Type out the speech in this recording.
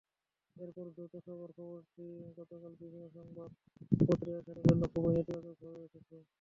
এরপর যৌথ সভার খবরটি গতকাল বিভিন্ন সংবাদপত্রে এরশাদের জন্য খুবই নেতিবাচকভাবে এসেছে।